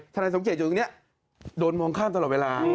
นายสมเกียจอยู่ตรงนี้โดนมองข้ามตลอดเวลา